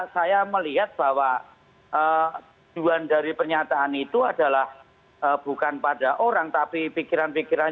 saya melihat bahwa tujuan dari pernyataan itu adalah bukan pada orang tapi pikiran pikiran